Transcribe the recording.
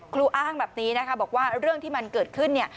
อ้างแบบนี้นะคะบอกว่าเรื่องที่มันเกิดขึ้นเนี่ย